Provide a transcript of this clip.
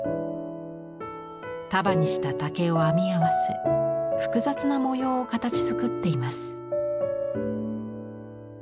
束にした竹を編み合わせ複雑な模様を形づくっています。